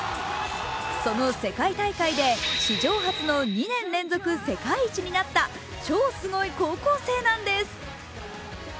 その世界大会で史上初の２年連続世界一になった超すごい高校生なんです。